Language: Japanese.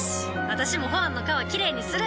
私もホアンの川きれいにする！